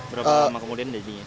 berapa lama kemudian jadi